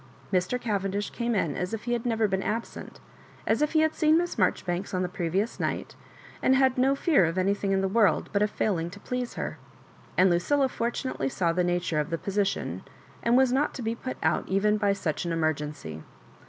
Mr. Cavendish came in as if he had never been absent, as if he had seen Miss Marjoribanks on the previous night, and had no fear of anything in the world but of failing to please her ; and Lucilla fortu nately saw the nature of the position, and was not to be put out even by such an emergency.